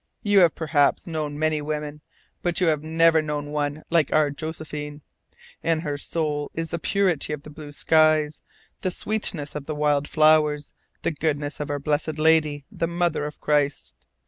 You have perhaps known many women, but you have never known one like our Josephine. In her soul is the purity of the blue skies, the sweetness of the wild flowers, the goodness of our Blessed Lady, the Mother of Christ.